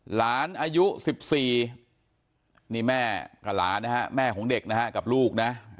หลานอายุ๑๔นี่แม่กับหลานนะฮะแม่ของเด็กนะฮะกับลูกนะ